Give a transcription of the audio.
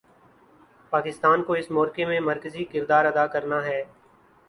پاکستان کو اس معرکے میں مرکزی کردار ادا کرنا ہے۔